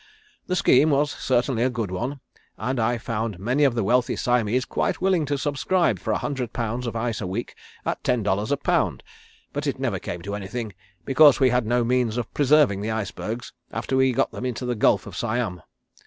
The scheme was certainly a good one, and I found many of the wealthy Siamese quite willing to subscribe for a hundred pounds of ice a week at ten dollars a pound, but it never came to anything because we had no means of preserving the icebergs after we got them into the Gulf of Siam.